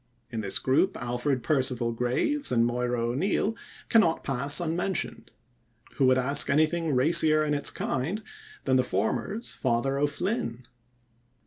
In this group Alfred Perceval Graves and Moira O'Neill cannot pass unmentioned. Who would ask anything racier in its kind than the former's "Father O'Flynn"?